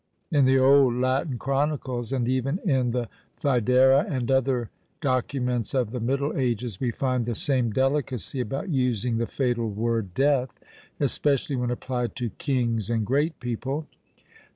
In the old Latin chronicles, and even in the Foedera and other documents of the middle ages, we find the same delicacy about using the fatal word Death, especially when applied to kings and great people.